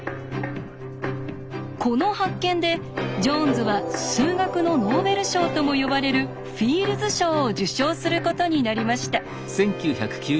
この発見でジョーンズは数学のノーベル賞とも呼ばれるフィールズ賞を受賞することになりました。